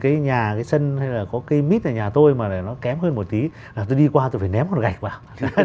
cái nhà cái sân hay là có cây mít ở nhà tôi mà nó kém hơn một tí là tôi đi qua tôi phải ném con gạch vào